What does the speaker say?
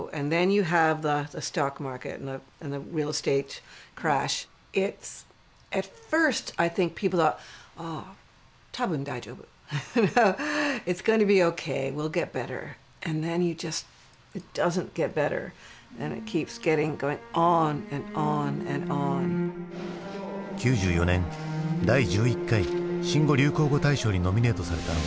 ９４年第１１回新語・流行語大賞にノミネートされたのは「就職氷河期」。